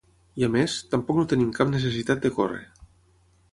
I a més, tampoc no tenim cap necessitat de córrer.